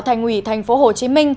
thành ủy tp hcm